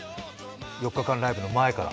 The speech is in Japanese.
４日間ライブの前から？